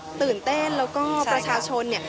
พาคุณผู้ชมไปติดตามบรรยากาศกันที่วัดอรุณราชวรรมหาวิหารค่ะ